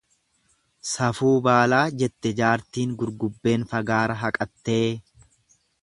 Safuu baalaa jette jaartiin gurgubbeen fagaara haqattee.